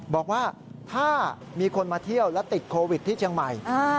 บอกว่าถ้ามีคนมาเที่ยวและติดโควิดที่เชียงใหม่